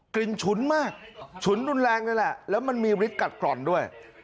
ฉุนมากฉุนรุนแรงนั่นแหละแล้วมันมีฤทธิกัดกร่อนด้วย